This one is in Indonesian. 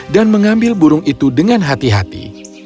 mengambil burung itu dengan hati hati